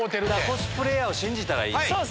コスプレーヤーを信じたらいい。